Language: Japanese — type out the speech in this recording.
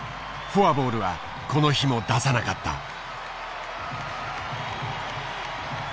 フォアボールはこの日も出さなかった。